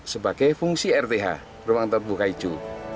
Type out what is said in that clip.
sebagai fungsi rth ruang terbuka hijau